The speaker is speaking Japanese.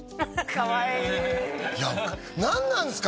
かわいい何なんすか？